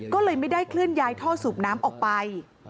ก็เลยไม่ได้เคลื่อนย้ายท่อสูบน้ำออกไป